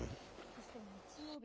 そして、日曜日。